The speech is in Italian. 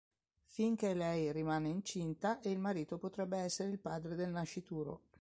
Finché lei rimane incinta e il marito potrebbe essere il padre del nascituro.